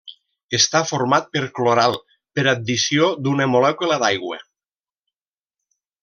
Està format per cloral per addició d'una molècula d'aigua.